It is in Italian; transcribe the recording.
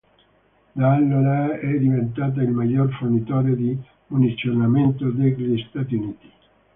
Da allora è diventata il maggior fornitore di munizionamento degli Stati Uniti.